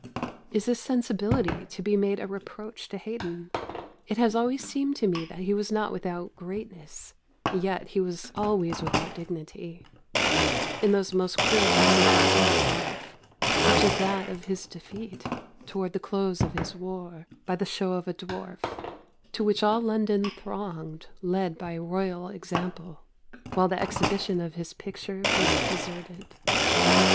Is this sensibility to be made a reproach to Haydon? It has always seemed to me that he was not without greatness yet he was always without dignity in those most cruel passages of his life, such as that of his defeat, towards the close of his war, by the show of a dwarf, to which all London thronged, led by Royal example, while the exhibition of his picture was deserted.